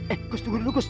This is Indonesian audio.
eh pos tunggu dulu pos